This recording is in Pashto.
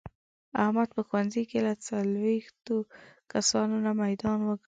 احمد په ښوونځې کې له څلوېښتو کسانو نه میدان و ګټلو.